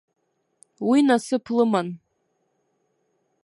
Уи насыԥ лыман.